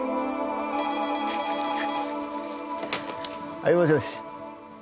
・はいもしもし・